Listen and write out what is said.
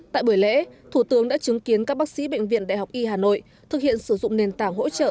tại buổi lễ thủ tướng đã chứng kiến các bác sĩ bệnh viện đại học y hà nội thực hiện sử dụng nền tảng hỗ trợ